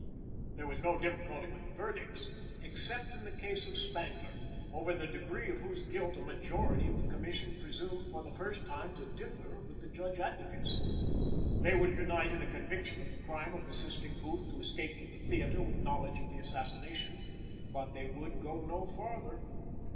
There was no difficulty with the verdicts, except in the case of Spangler, over the degree of whose guilt a majority of the Commission presumed for the first time to differ with the Judge Advocates. They would unite in a conviction of the crime of assisting Booth to escape from the theatre with knowledge of the assassination, but they would go no farther.